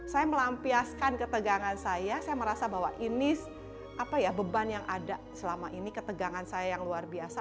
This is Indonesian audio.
saya melampiaskan ketegangan saya saya merasa bahwa ini beban yang ada selama ini ketegangan saya yang luar biasa